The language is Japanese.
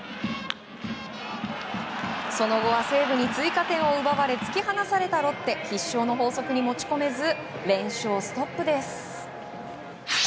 その後は西武に追加点を奪われ突き放されたロッテ必勝の法則に持ち込めず連勝ストップです。